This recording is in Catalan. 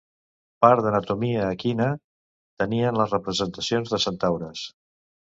Part d'anatomia equina tenien les representacions de centaures.